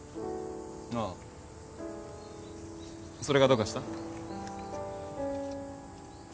それがどうかした？